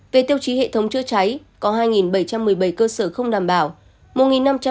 về tiêu chí hệ thống chữa cháy có hai bảy trăm một mươi bảy cơ sở không đảm bảo